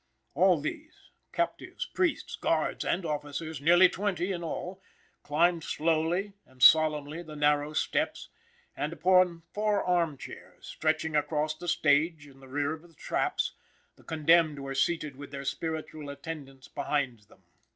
All these, captives, priests, guards, and officers, nearly twenty in all, climbed slowly and solemnly the narrow steps; and upon four arm chairs, stretching across the stage in the rear of the traps, the condemned were seated with their spiritual attendants behind them.